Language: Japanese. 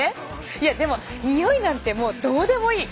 いやでもにおいなんてどうでもいい。